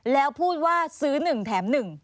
แล้วพูดว่าซื้อ๑แถม๑